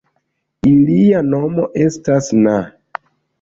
Ilia nomo estas na.